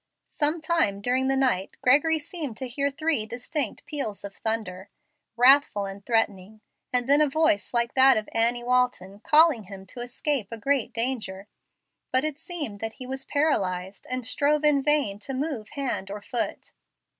Some time during the night Gregory seemed to hear three distinct peals of thunder, wrathful and threatening, and then a voice like that of Annie Walton calling him to escape a great danger. But it seemed that he was paralyzed, and strove in vain to move hand or foot.